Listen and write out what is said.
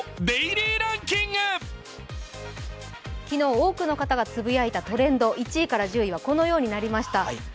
昨日多くの方がつぶやいたトレンド、１位から１０位はこのようになりました。